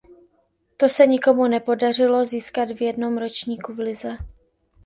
To se nikomu nepodařilo získat v jednom ročníku v lize.